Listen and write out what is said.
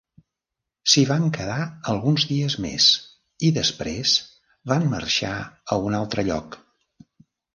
S'hi van quedar alguns dies més i després van marxar a un altre lloc.